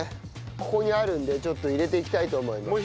ここにあるのでちょっと入れていきたいと思います。